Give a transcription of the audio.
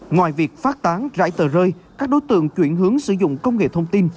ngoài việc phát tán rải tờ rơi các đối tượng chuyển hướng sử dụng công nghệ thông tin